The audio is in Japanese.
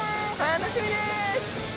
楽しみです！